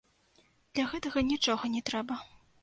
Для гэтага нічога не трэба.